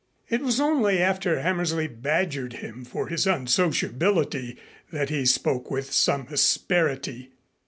It was only after Hammersley badgered him for his unsociability that he spoke with some asperity.